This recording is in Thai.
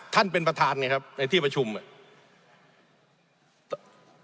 ท่านเป็นประธานเนี่ยครับในที่ประชุมอ่ะ